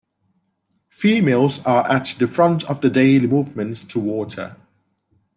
Females are at the front of the daily movements to water.